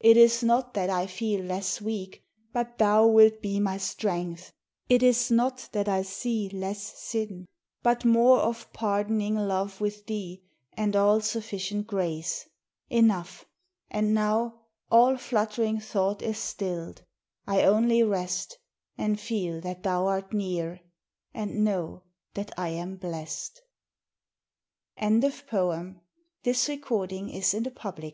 It is not that I feel less weak, but thou Wilt be my strength; it is not that I see Less sin, but more of pardoning love with thee, And all sufficient grace. Enough! and now All fluttering thought is stilled, I only rest, And feel that thou art near, and know that I am blest. FRANCES RIDLEY HAVERGAL. LIVING WATERS.